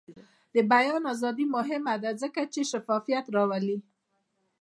د بیان ازادي مهمه ده ځکه چې شفافیت راولي.